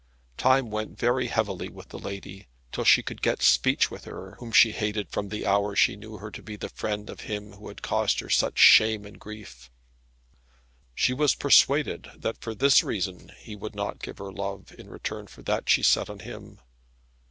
Time went very heavily with the lady, till she could get speech with her, whom she hated from the hour she knew her to be the friend of him who had caused her such shame and grief. She was persuaded that for this reason he would not give her love, in return for that she set on him.